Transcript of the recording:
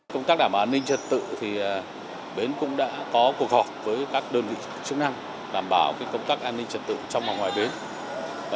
công tác đảm bảo an ninh trật tự thì bến cũng đã có cuộc họp với các đơn vị chức năng đảm bảo công tác an ninh trật tự trong và ngoài bến